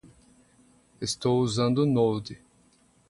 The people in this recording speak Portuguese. Estou usando Node.